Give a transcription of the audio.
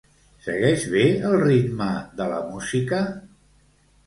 Segueix bé el ritme de la música?